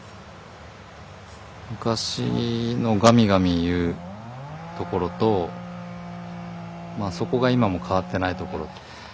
昔のガミガミ言うところとまあそこが今も変わっていないところ。